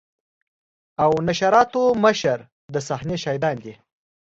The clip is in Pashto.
او نشراتو مشر د صحنې شاهدان دي.